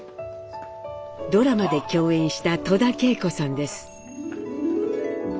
ドラマで共演した戸田恵子さんです。